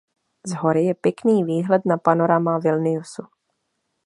Z hory je pěkný výhled na panorama Vilniusu.